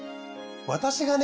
私がね